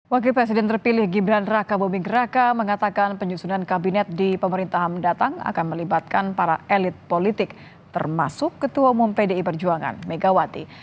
wakil presiden terpilih gibran raka buming raka mengatakan penyusunan kabinet di pemerintahan mendatang akan melibatkan para elit politik termasuk ketua umum pdi perjuangan megawati